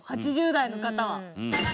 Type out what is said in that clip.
８０代の方は。